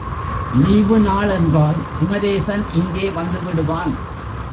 லீவுநாள் என்றால் குமரேசன் இங்கே வந்துவிடுவான்.